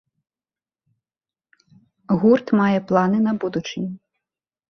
Гурт мае планы на будучыню.